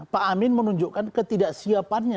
pak amin menunjukkan ketidaksiapannya